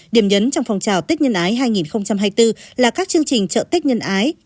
điểm nhấn trong phong trào tết nhân ái hai nghìn hai mươi bốn là các chương trình chợ tết nhân ái